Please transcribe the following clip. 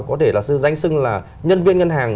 có thể là sự danh sưng là nhân viên ngân hàng